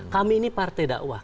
kami ini partai dakwah